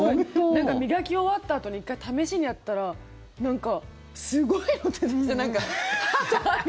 磨き終わったあとに１回、試しにやったらなんか、すごいの出てきて。